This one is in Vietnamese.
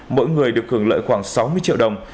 mỗi người được hưởng lợi khoảng sáu mươi triệu đồng